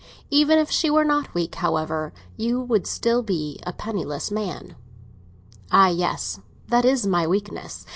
Even if she were not weak, however, you would still be a penniless man." "Ah, yes; that is my weakness!